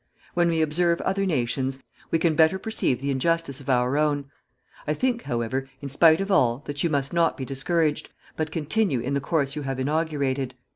When we observe other nations, we can better perceive the injustice of our own. I think, however, in spite of all, that you must not be discouraged, but continue in the course you have inaugurated.